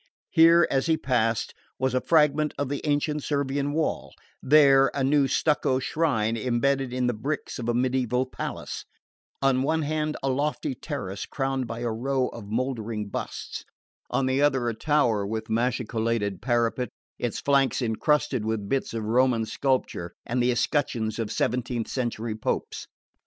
Here, as he passed, was a fragment of the ancient Servian wall, there a new stucco shrine embedded in the bricks of a medieval palace; on one hand a lofty terrace crowned by a row of mouldering busts, on the other a tower with machicolated parapet, its flanks encrusted with bits of Roman sculpture and the escutcheons of seventeenth century Popes.